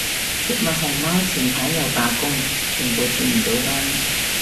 食物熊貓前排又罷工，全部接唔到單